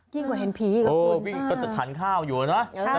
วิ่งก็จะทันข้าวอยู่นะ